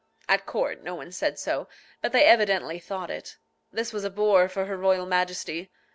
At court no one said so, but they evidently thought it. This was a bore for her royal Majesty.